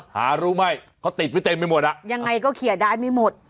ถ้ารู้ไหมเขาติดไปเต็มไม่หมดยังไงก็เคลียร์ได้ไม่หมด